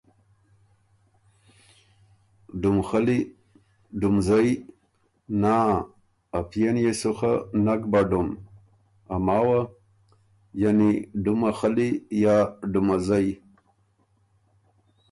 ډُم خلي ـــ ډُم زئ ـــ نا ا پئے ن يې سو خه نک به ډُم ـــ ا ماوه! ـــ یعنی ډُمه خلی، یا ډُمه زئ ـ